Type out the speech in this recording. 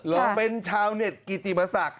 หรือเป็นชาวเน็ตกิติปศักดิ์